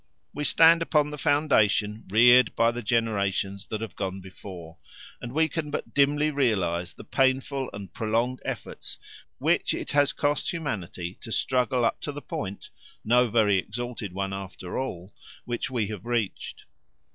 We stand upon the foundation reared by the generations that have gone before, and we can but dimly realise the painful and prolonged efforts which it has cost humanity to struggle up to the point, no very exalted one after all, which we have reached.